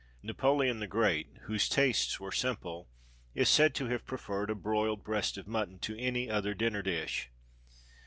Napoleon the Great, whose tastes were simple, is said to have preferred a broiled breast of mutton to any other dinner dish.